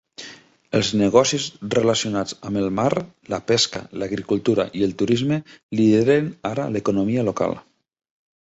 Els negocis relacionats amb el mar, la pesca, l'agricultura i el turisme lideren ara l'economia local.